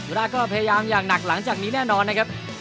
รากก็พยายามอย่างหนักหลังจากนี้แน่นอนนะครับ